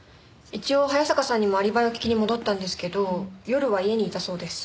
一応早坂さんにもアリバイを聞きに戻ったんですけど夜は家にいたそうです。